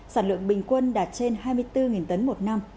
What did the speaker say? sản lượng bình quân đạt trên hai mươi bốn tấn một năm